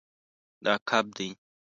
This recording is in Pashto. دا کب دی